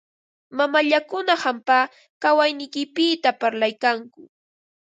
Mamallakuna qampa kawayniykipita parlaykanku.